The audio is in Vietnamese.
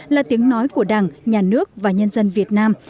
là tiếng nói của đảng nhà nước và nhân dân việt nam